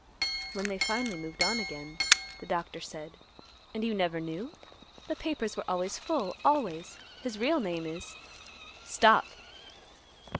When they finally moved on again, the Doctor said, "And you never knew? The papers were always full, always. His real name is—" "Stop!"